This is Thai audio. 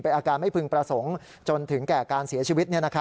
อาการไม่พึงประสงค์จนถึงแก่การเสียชีวิต